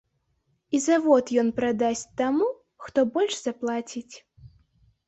І завод ён прадасць таму, хто больш заплаціць.